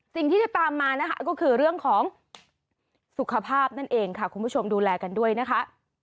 สิ่งที่ได้ตามมานะคะก็คือเรื่องของสุขภาพนั่นเองค่ะคุณผู้ชมดูแลกันด้วยนะคะ